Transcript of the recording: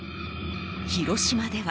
広島では。